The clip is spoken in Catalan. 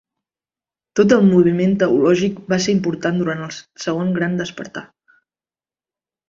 Tot el moviment teològic va ser important durant el Segon Gran Despertar.